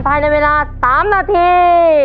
ภายในเวลา๓นาที